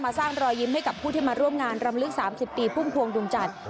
สร้างรอยยิ้มให้กับผู้ที่มาร่วมงานรำลึก๓๐ปีพุ่มพวงดวงจันทร์